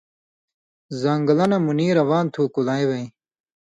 زن٘گلہ نہ منی روان تُھو کُلائ وَیں